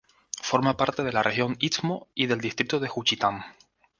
Forma parte de la región Istmo y del Distrito de Juchitán.